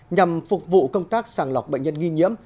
nhằm phục vụ công tác sàng lọc bệnh nhân nghi nhiễm